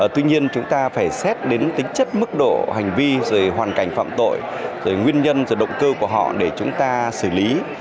tuy nhiên chúng ta phải xét đến tính chất mức độ hành vi hoàn cảnh phạm tội rồi nguyên nhân rồi động cơ của họ để chúng ta xử lý